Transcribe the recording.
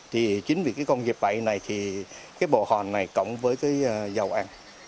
thì chính vì cái con dịp vẩy này thì cái bờ hòn này cộng với cái dầu ăn